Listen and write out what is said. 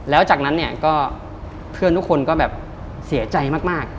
แล้วจากนั้นเนี่ยก็เพื่อนทุกคนก็แบบเสียใจมาก